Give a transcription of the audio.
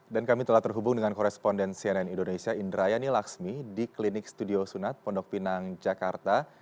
kami telah terhubung dengan koresponden cnn indonesia indrayani laksmi di klinik studio sunat pondok pinang jakarta